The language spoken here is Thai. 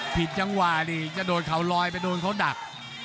ผิดจังหวะดิจะโดนเขาลอยไปโดนเขาดัก